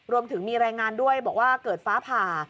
รวมถึงมีรายงานด้วยบอกว่าเกิดฟ้าผ่า